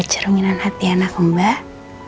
kalo jerunginan hati anak mbak